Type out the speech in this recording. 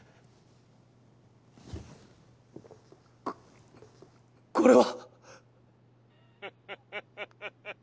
ここれは！